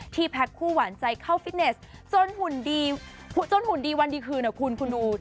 ที่แพ็คคู่หวานใจเข้าฟิตเนสจนหุ่นดีวันดีคืนเหรอคุณคุณอู๋